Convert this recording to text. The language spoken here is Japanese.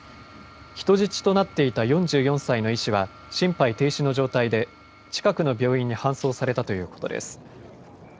人質となっていた４４歳の医師は心肺停止の状態で近くの病院に搬送されたということです。